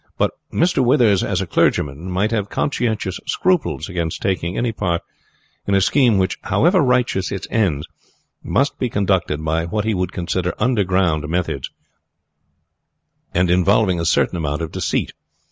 But Mr. Withers, as a clergyman, might have conscientious scruples against taking any part in a scheme which, however righteous its ends, must be conducted by what he would consider underground methods, and involving a certain amount of deceit.